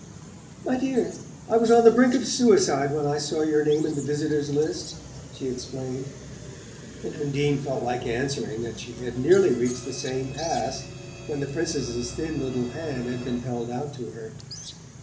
"My dear, I was on the brink of suicide when I saw your name in the visitors' list," she explained; and Undine felt like answering that she had nearly reached the same pass when the Princess's thin little hand had been held out to her.